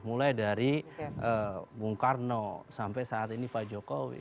mulai dari bung karno sampai saat ini pak jokowi